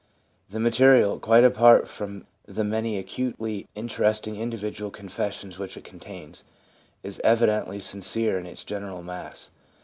The material, quite apart from the many acutely interesting individual confessions which it contains, is evidently sincere in its general mass.